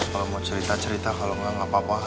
kalau mau cerita cerita kalau nggak nggak apa apa